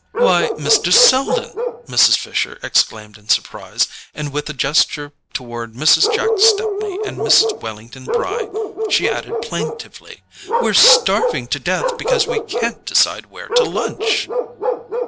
"Why, Mr. Selden!" Mrs. Fisher exclaimed in surprise; and with a gesture toward Mrs. Jack Stepney and Mrs. Wellington Bry, she added plaintively: "We're starving to death because we can't decide where to lunch."